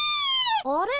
あれ？